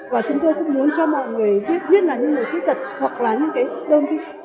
và chúng tôi cũng muốn cho mọi người biết viết là những người khuyết tật hoặc là những cái đơn vị